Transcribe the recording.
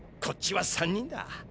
こっちは３人だ！